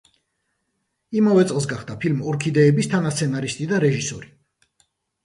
იმავე წელს გახდა ფილმ „ორქიდეების“ თანასცენარისტი და რეჟისორი.